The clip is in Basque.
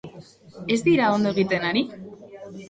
Ez dira ondo egiten ari?